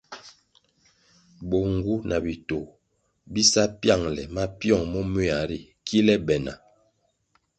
Bo ngu na bitoh bi sa pyangʼle mapyong momea ri kile be na.